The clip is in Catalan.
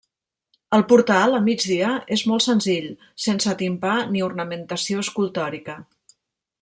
El portal, a migdia, és molt senzill, sense timpà ni ornamentació escultòrica.